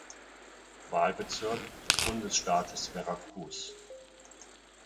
Wahlbezirk des Bundesstaates Veracruz.